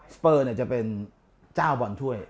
สเปอร์เนี่ยจะเป็นเจ้าบอลถ้วย